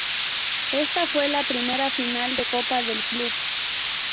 Esta fue la primera final de copa del club.